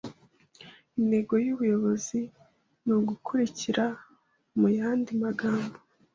Intego yubuyobozi ni ugukurikira muyandi magambo